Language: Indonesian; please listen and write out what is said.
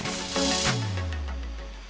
satu porsi mie goba berbeda